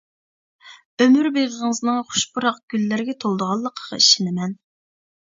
ئۆمۈر بېغىڭىزنىڭ خۇش پۇراق گۈللەرگە تولىدىغانلىقىغا ئىشىنىمەن.